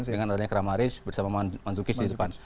dengan adanya kramaric bersama mandzukic di depan